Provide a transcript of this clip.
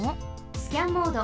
スキャンモード。